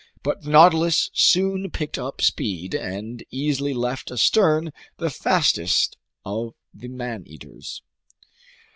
But the Nautilus soon picked up speed and easily left astern the fastest of these man eaters.